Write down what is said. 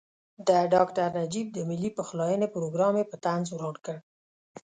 د ډاکټر نجیب د ملي پخلاینې پروګرام یې په طنز وران کړ.